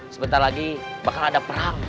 sebentar lagi bakal ada perang